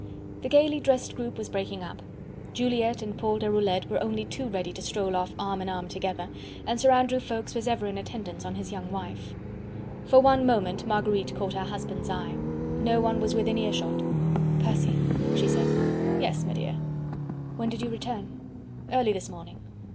The gaily dressed group was breaking up. Juliette and Paul Deroulede were only too ready to stroll off arm in arm together, and Sir Andrew Ffoulkes was ever in attendance on his young wife. For one moment Marguerite caught her husband's eye. No one was within earshot. "Percy," she said. "Yes, m'dear." "When did you return?" "Early this morning."